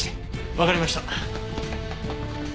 わかりました。